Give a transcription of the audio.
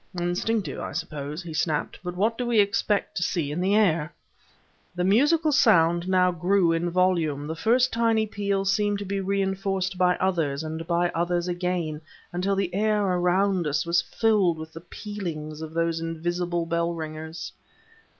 "Instinctive, I suppose," he snapped; "but what do we expect to see in the air?" The musical sound now grew in volume; the first tiny peal seemed to be reinforced by others and by others again, until the air around about us was filled with the pealings of these invisible bell ringers.